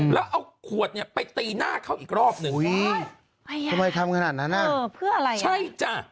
แล้วเอาขวดไปตีหน้าเขาอีกรอบหนึ่งทำไมทำขนาดนั้นน่ะใช่จ้ะ